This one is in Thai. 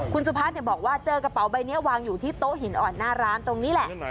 คุณสุพัฒน์บอกว่าเจอกระเป๋าใบนี้วางอยู่ที่โต๊ะหินอ่อนหน้าร้านตรงนี้แหละ